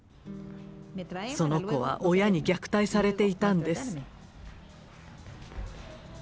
その子は親に虐待されていたんです。